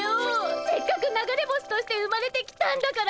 せっかく流れ星として生まれてきたんだから。